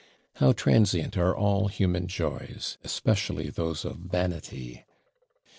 How transient are all human joys, especially those of vanity!